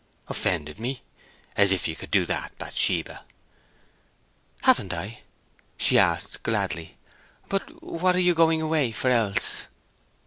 "Offended me! As if you could do that, Bathsheba!" "Haven't I?" she asked, gladly. "But, what are you going away for else?"